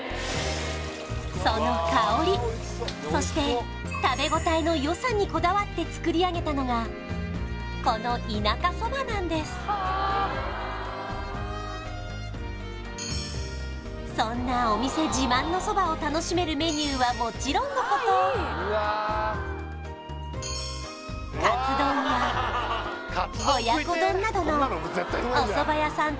その香りそして食べ応えのよさにこだわって作り上げたのがこのそんなお店自慢のそばを楽しめるメニューはもちろんのことなどのおそば屋さん